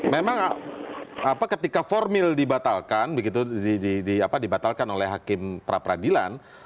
memang apa ketika formil dibatalkan begitu di apa dibatalkan oleh hakim pra peradilan